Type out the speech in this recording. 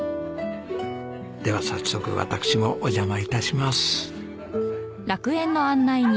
では早速私もお邪魔致します。